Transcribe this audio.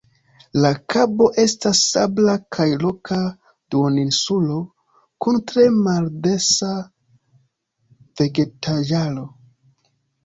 La kabo estas sabla kaj roka duoninsulo kun tre maldensa vegetaĵaro.